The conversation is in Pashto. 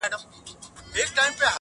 • چي تابه وكړې راته ښې خبري.